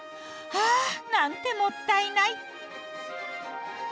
ああ、なんてもったいない！